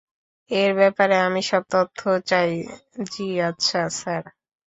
এর ব্যাপারে আমি সব তথ্য চাই জ্বি আচ্ছা স্যার।